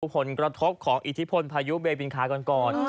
ผลกระทบของอิทธิพลพายุเบบินคาก่อน